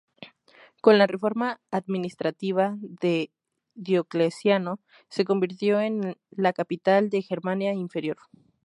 Con la reforma administrativa de Diocleciano, se convirtió en la capital de Germania Inferior.